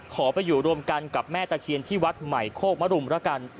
ขอไปอยู่รวมกันกับแม่ตะเคียนที่วัดใหม่โคกมรุมแล้วกัน